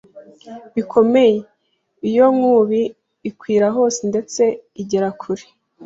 bikomeye; iyo nkubi ikwira hose ndetse igera kure